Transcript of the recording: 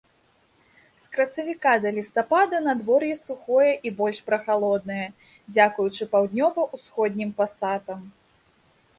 З красавіка да лістапада надвор'е сухое і больш прахалоднае, дзякуючы паўднёва-ўсходнім пасатам.